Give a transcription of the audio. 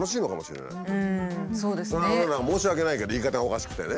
申し訳ないけど言い方がおかしくてね。